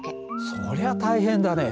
それは大変だね。